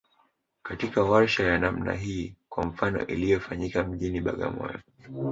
katika warsha ya namna hii kwa mfano iliyofanyikia mjini Bagamoyo